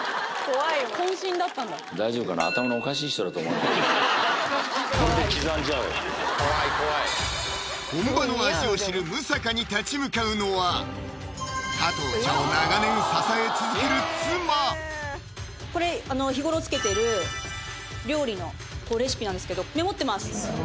怖い怖い本場の味を知る六平に立ち向かうのは加藤茶をこれ日頃つけている料理のこうレシピなんですけどメモってます！